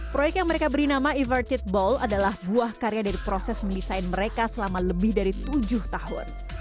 proyek yang mereka beri nama everted ball adalah buah karya dari proses mendesain mereka selama lebih dari tujuh tahun